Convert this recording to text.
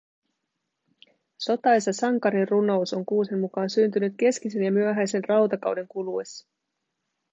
Sotaisa sankarirunous on Kuusen mukaan syntynyt keskisen ja myöhäisen rautakauden kuluessa